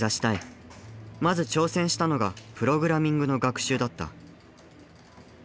まず挑戦したのがプログラミングの学習だった。